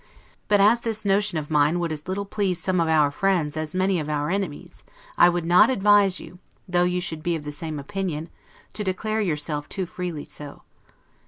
But as this notion of mine would as little please SOME OF OUR FRIENDS, as many of our enemies, I would not advise you, though you should be of the same opinion, to declare yourself too freely so.